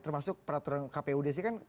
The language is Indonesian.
termasuk peraturan kpud sih kan